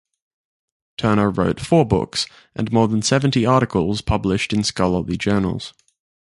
Turner wrote four books and more than seventy articles published in scholarly journals.